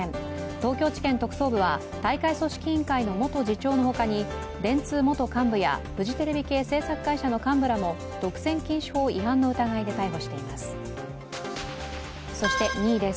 東京地検特捜部は大会組織委員会の元次長のほかに電通元幹部やフジテレビ系制作会社の幹部らも独占禁止法違反の疑いで逮捕しています。